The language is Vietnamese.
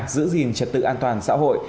giữ gìn trật tự an toàn xã hội